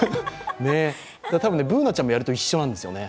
たぶんＢｏｏｎａちゃんも、やると一緒なんですよね。